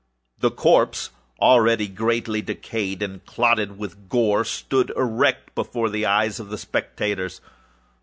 The corpse, already greatly decayed and clotted with gore, stood erect before the eyes of the spectators.